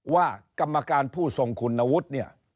ว่ากรรมการผู้ส่งคุณนวุฒน์